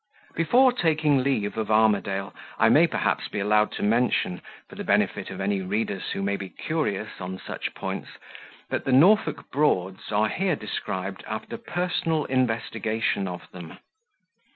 Before taking leave of "Armadale," I may perhaps be allowed to mention, for the benefit of any readers who may be curious on such points, that the "Norfolk Broads" are here described after personal investigation of them.